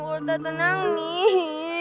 wurda tenang nih